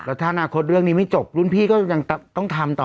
แล้วถ้าอนาคตเรื่องนี้ไม่จบรุ่นพี่ก็ยังต้องทำต่อ